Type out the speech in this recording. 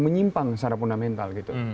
menyimpang secara fundamental gitu